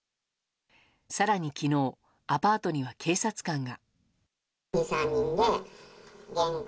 更に、昨日アパートには警察官が。